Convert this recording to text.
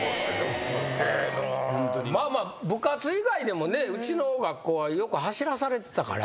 まあ部活以外でもねうちの学校はよく走らされてたから。